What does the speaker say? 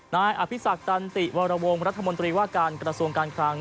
นายอภิษักตันติวรวงรัฐมนตรีว่าการกระทรวงการคลัง